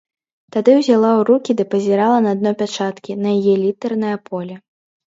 Тады ўзяла ў рукі ды пазірала на дно пячаткі, на яе літарнае поле.